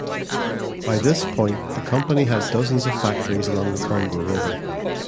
By this point the company had dozens of factories along the Congo River.